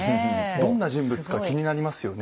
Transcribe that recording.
どんな人物か気になりますよね？